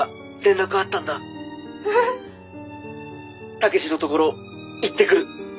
「武志のところ行ってくる」